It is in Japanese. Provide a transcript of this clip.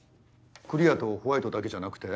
クリアとホワイトだけじゃなくて？